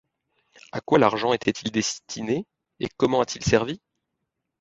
À quoi l'argent était-il destiné et comment a-t-il servi?